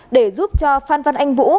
để giúp cho phan văn anh vũ